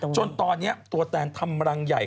ตอนนี้ตัวนี้ตัวแทนทำรังใหญ่